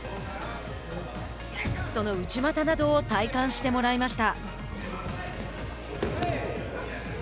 その内股などを体感してもらいました。